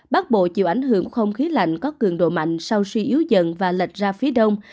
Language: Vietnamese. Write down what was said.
bắc bộ chịu ảnh hưởng không khí lạnh có cường độ mạnh sau suy yếu dần và lệch ra phía đông